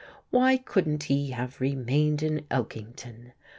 Why couldn't he have remained in Elkington?